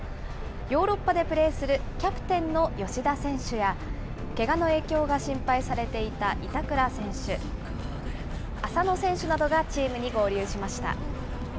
ヨーロッパでプレーするキャプテンの吉田選手や、けがの影響が心配されていた板倉選手、浅野選手などがチームに合流しました。